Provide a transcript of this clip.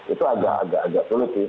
itu agak agak sulit sih